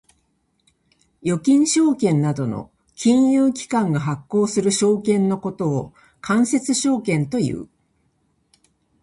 預金証券などの金融機関が発行する証券のことを間接証券という。